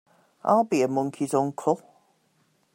I'll be a monkey's uncle!